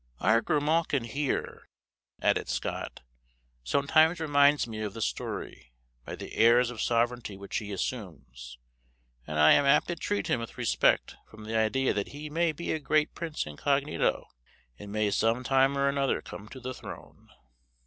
"Our grimalkin here," added Scott, "sometimes reminds me of the story, by the airs of sovereignty which he assumes; and I am apt to treat him with respect from the idea that he may be a great prince incog., and may some time or other come to the throne."